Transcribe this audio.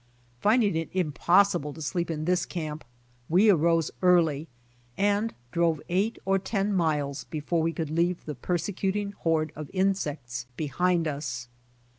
Finding it impossible to sleep in this camp, we arose early and drove eight or ten miles before we could leave the persecuting horde of insects* behind us.